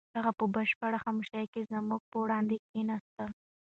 هغه په بشپړه خاموشۍ کې زما په وړاندې کښېناسته.